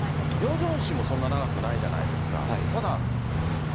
ヨジョン氏もそんなに長くないじゃないですか。